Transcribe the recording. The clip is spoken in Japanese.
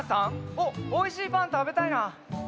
おっおいしいパンたべたいな。